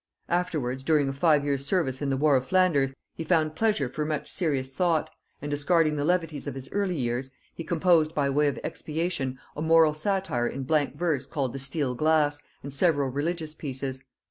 Afterwards, during a five years service in the war of Flanders, he found leisure for much serious thought; and discarding the levities of his early years, he composed by way of expiation a moral satire in blank verse called the Steel Glass, and several religious pieces.